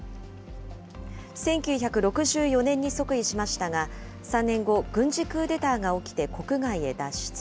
１９６４年に即位しましたが、３年後、軍事クーデターが起きて国外へ脱出。